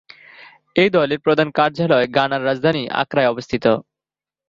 এই দলের প্রধান কার্যালয় ঘানার রাজধানী আক্রায় অবস্থিত।